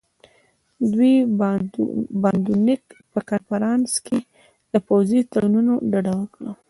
دوی د باندونک په کنفرانس کې له پوځي تړونونو ډډه وکړه.